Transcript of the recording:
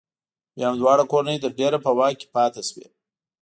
بیا هم دواړه کورنۍ تر ډېره په واک کې پاتې شوې.